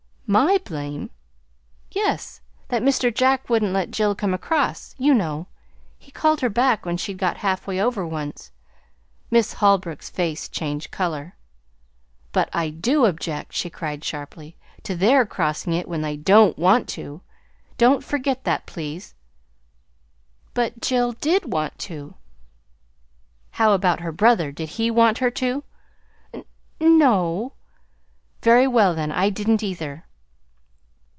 "MY blame!" "Yes; that Mr. Jack wouldn't let Jill come across, you know. He called her back when she'd got halfway over once." Miss Holbrook's face changed color. "But I do object," she cried sharply, "to their crossing it when they DON'T want to! Don't forget that, please." "But Jill did want to." "How about her brother did he want her to?" "N no." "Very well, then. I didn't, either."